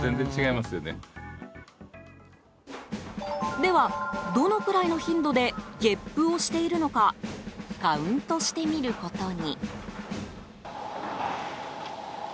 では、どのくらいの頻度でげっぷをしているのかカウントしてみることに。